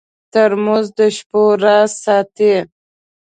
ترموز د شپو راز ساتي.